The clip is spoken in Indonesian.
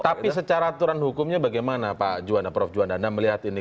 tapi secara aturan hukumnya bagaimana pak juanda prof juanda anda melihat ini